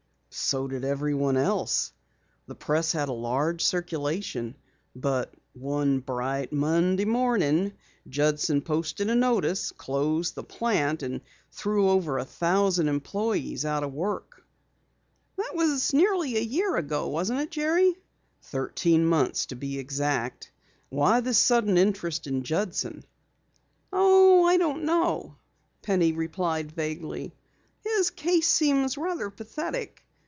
"So did everyone else. The Press had a large circulation. But one bright Monday morning Judson posted a notice, closed the plant, and threw over a thousand employes out of work." "That was nearly a year ago, wasn't it, Jerry?" "Thirteen months to be exact. Why this sudden interest in Judson?" "Oh, I don't know," Penny replied vaguely. "His case seems rather pathetic.